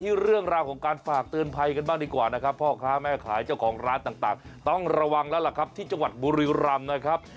เรื่องราวของการฝากเตือนภัยกันบ้างดีกว่านะครับพ่อค้าแม่ขายเจ้าของร้านต่างต้องระวังแล้วล่ะครับที่จังหวัดบุรีรำนะครับ